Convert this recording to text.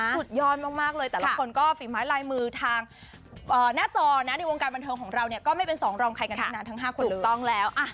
สุดยอดมากแต่ละคนก็ฝีม้ายลายมือทางหน้าจอในวงการบันเทิงของเราก็ไม่เป็นสองรองใครกันทั้งห้าคนเลย